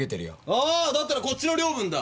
ああだったらこっちの領分だ！